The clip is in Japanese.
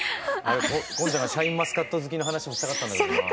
昆ちゃんがシャインマスカット好きな話もしたかったんだけどなぁ。